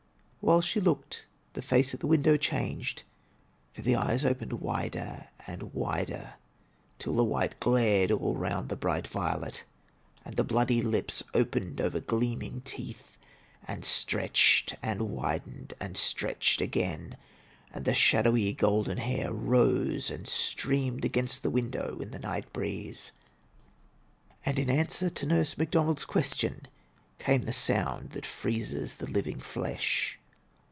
While she looked the face at the window dianged, for the eyes cqiened wider and wider tOl the idute glared all loond the bright violet, and the Moody 1^ opened over gjeaming teeth, and stretched and widened and stretched again, and the shadowy golden hair rose and streamed against the window in the night breexe. And in answer to Nurse Macdooald's question came the sound that heezes the living flesh.